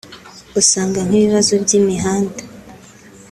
usanga nk’ibibazo by’imihanda